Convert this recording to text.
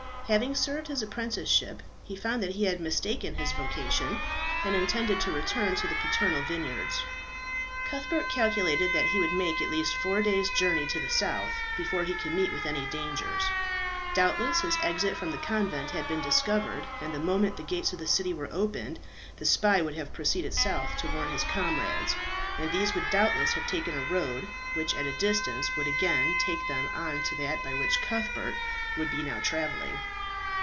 Having served his apprenticeship, he found that he had mistaken his vocation, and intended to return to the paternal vineyards. Cuthbert calculated that he would make at least four days' journey to the south before he could meet with any dangers. Doubtless his exit from the convent had been discovered, and the moment the gates of the city were opened the spy would have proceeded south to warn his comrades, and these would doubtless have taken a road which at a distance would again take them on to that by which Cuthbert would be now travelling.